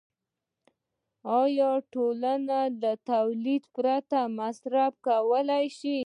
آیا ټولنه له تولید پرته مصرف کولی شي